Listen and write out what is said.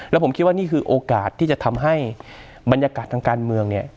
แล้วผมคิดว่านี่คือโอกาสที่จะทำให้บรรยากาศทางการเมืองเนี่ย